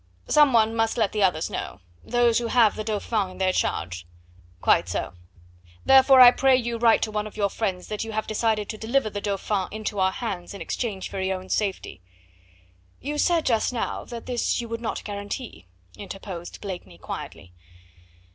"Some one must let the others know... those who have the Dauphin in their charge." "Quite so. Therefore I pray you write to one of your friends that you have decided to deliver the Dauphin into our hands in exchange for your own safety." "You said just now that this you would not guarantee," interposed Blakeney quietly.